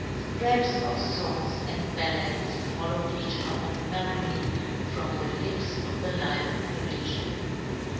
Scraps of fongs and ballads fol lowed each other merrily from the lips of the lively Parifian.